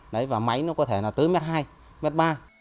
đấy và máy nó có thể là tới mét hai mét ba